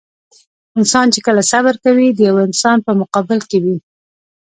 انسان چې کله صبر کوي د يوه انسان په مقابل کې وي.